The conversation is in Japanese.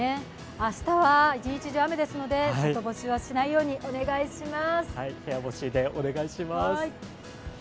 明日は一日中雨ですので、外干しはしないようにお願いします。